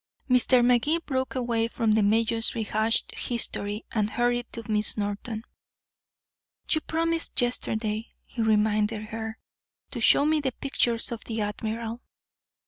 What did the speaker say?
Mr. Magee broke away from the mayor's rehashed history, and hurried to Miss Norton. "You promised yesterday," he reminded her, "to show me the pictures of the admiral."